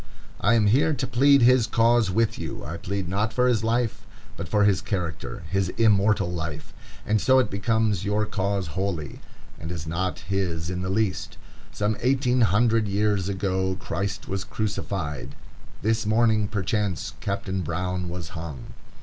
I am here to plead his cause with you. I plead not for his life, but for his character,—his immortal life; and so it becomes your cause wholly, and is not his in the least. Some eighteen hundred years ago Christ was crucified; this morning, perchance, Captain Brown was hung.